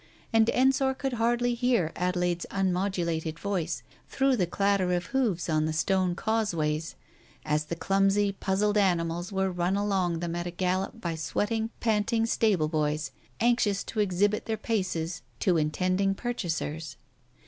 And Ensor could hardly hear Adelaide's unmodulated voice, through the clatter of hoofs on the stone causeways as the clumsy, puzzled animals were run along them at a gallop by sweating, panting stable boys, anxious to exhibit their paces to intending pur chasers.